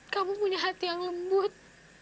kamu punya hati yang lembut